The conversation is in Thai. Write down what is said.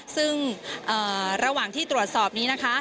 ซึ่งระหว่างที่ตรวจสอบนี้นะคะ